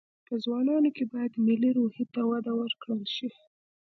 په ځوانانو کې باید ملي روحي ته وده ورکړل شي